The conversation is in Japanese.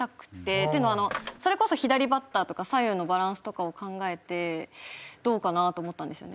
っていうのはあのそれこそ左バッターとか左右のバランスとかを考えてどうかなと思ったんですよね。